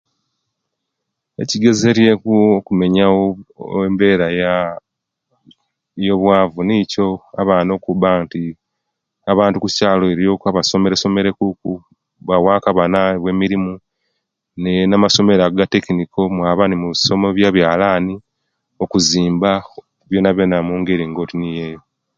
Ekigezeryeeku okumenyawo embeera yaa eyobwavu nikyo abaana okubanti, abantu okukyaalo, eriyo abasomeresomereku bawaku abanaawe emirimu, ne namasomero ago agatekinikol mwaaba nimusomaku ebyaalani, okuzimba byona byona omungeri nga oti niiyeyo.